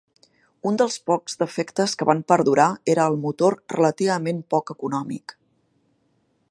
Un dels pocs defectes que van perdurar era el motor relativament poc econòmic.